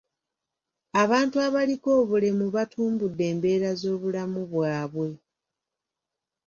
Abantu abaliko obulemu batumbudde embeera z'obulamu bwabwe.